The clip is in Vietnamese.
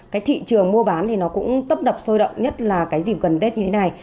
cái thị trường mua bán thì nó cũng tấp đập sôi động nhất là cái dịp gần tết như thế này